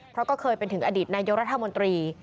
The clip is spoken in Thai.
เพราะก็เคยเป็นถึงอดีตนายกรัฐมนตรี